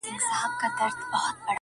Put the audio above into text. د بدو به بد مومې.